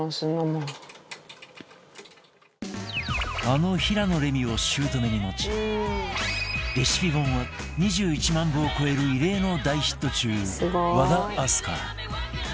あの平野レミを姑に持ちレシピ本は２１万部を超える異例の大ヒット中和田明日香